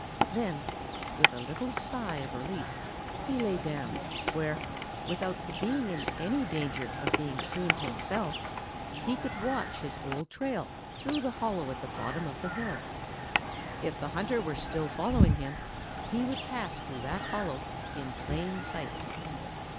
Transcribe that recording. Then, with a little sigh of relief, he lay down, where, without being in any danger of being seen himself, he could watch his old trail through the hollow at the bottom of the hill. If the hunter were still following him, he would pass through that hollow in plain sight.